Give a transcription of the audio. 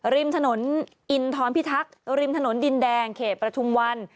ริมถนนอินทรพิทักษ์ริมถนนดินแดงเขตประทุมวัน